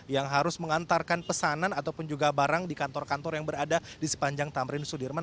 yang harus mengantarkan pesanan ataupun juga barang di kantor kantor yang berada di sepanjang tamrin sudirman